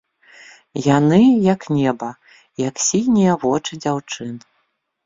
Яны, як неба, як сінія вочы дзяўчын.